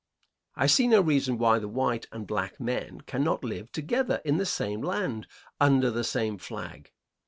I see no reason why the white and black men cannot live together in the same land, under the same flag.